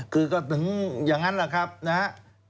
คือก็ถึงอย่างนั้นแหละครับนะฮะ